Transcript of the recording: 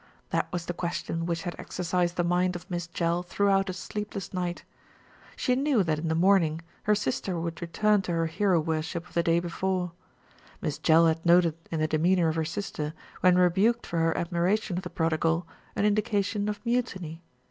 That was the question which had exercised the mind of Miss Jell throughout a sleepless night. She knew that in the morning her sister would return to her hero worship of the day before. Miss Jell had noted in the de meanour of her sister, when rebuked for her admiration of the prodigal, an indication of mutiny.